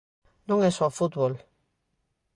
Non é só fútbol.